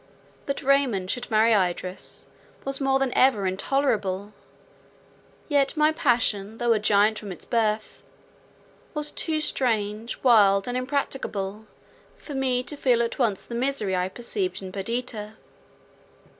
That Raymond should marry Idris was more than ever intolerable; yet my passion, though a giant from its birth, was too strange, wild, and impracticable, for me to feel at once the misery I perceived in Perdita.